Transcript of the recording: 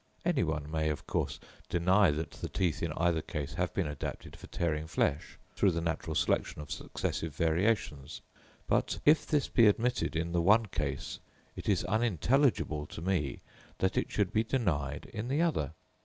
Any one may, of course, deny that the teeth in either case have been adapted for tearing flesh, through the natural selection of successive variations; but if this be admitted in the one case, it is unintelligible to me that it should be denied in the other.